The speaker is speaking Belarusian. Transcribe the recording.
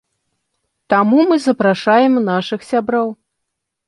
Таму мы запрашаем нашых сяброў.